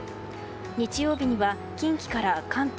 日曜日には近畿から関東